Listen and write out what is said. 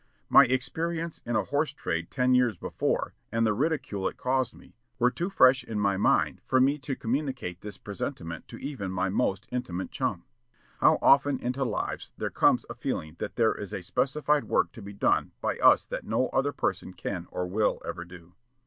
My experience in a horse trade ten years before, and the ridicule it caused me, were too fresh in my mind for me to communicate this presentiment to even my most intimate chum." How often into lives there comes a feeling that there is a specified work to be done by us that no other person can or will ever do!